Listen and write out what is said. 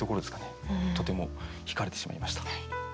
とてもひかれてしまいました。